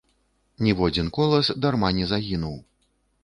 Ніводзін колас дарма не загінуў.